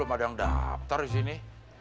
belom ada yang daftar disini